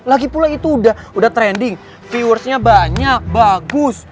lagipula itu udah trending viewersnya banyak bagus